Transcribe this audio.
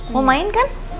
mau main kan